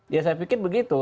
ya saya pikir begitu